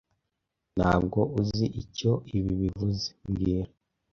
Ntabwo uzi icyo ibi bivuze mbwira